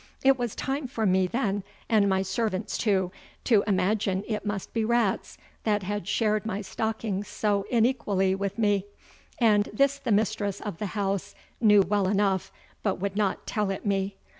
It was time for me then, and my servants too, to imagine it must be rats that had shard my stockins so inequallie with me; and this the mistress of the house knew well enough, but would not tell it me.